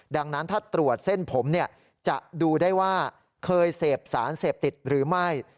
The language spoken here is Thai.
ดังนั้นถ้าตรวจเส้นผมจะดูได้ว่าเคยเสพสารเสพติดหรือไม่